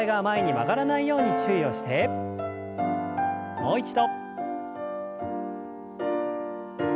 もう一度。